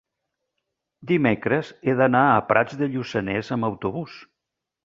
dimecres he d'anar a Prats de Lluçanès amb autobús.